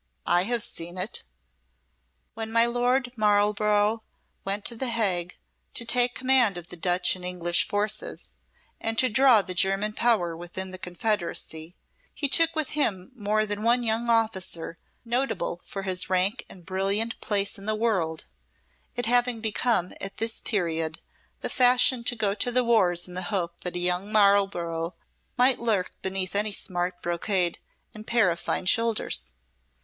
I have seen it." When my Lord Marlborough went to the Hague to take command of the Dutch and English forces, and to draw the German power within the confederacy, he took with him more than one young officer notable for his rank and brilliant place in the world, it having become at this period the fashion to go to the wars in the hope that a young Marlborough might lurk beneath any smart brocade and pair of fine shoulders.